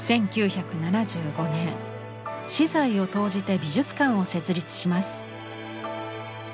１９７５年私財を投じて美術館を設立します。